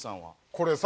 これさ